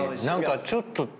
何かちょっと。